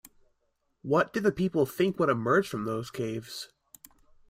What did the people think would emerge from those caves?